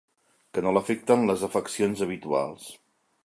Que no l'afecten les afeccions habituals.